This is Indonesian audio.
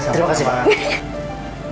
terima kasih pak